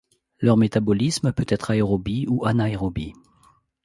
Leur métabolisme peut être aérobie ou anaérobie.